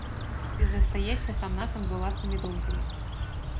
Ты застаешся сам-насам з уласнымі думкамі.